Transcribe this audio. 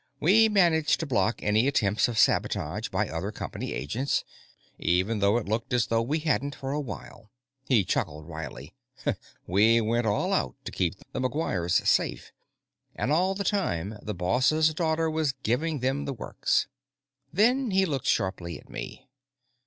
"We managed to block any attempts of sabotage by other company agents, even though it looked as though we hadn't for a while." He chuckled wryly. "We went all out to keep the McGuires safe, and all the time the boss' daughter was giving them the works." Then he looked sharply at me.